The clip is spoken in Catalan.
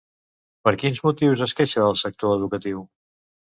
Per quins motius es queixa el sector educatiu?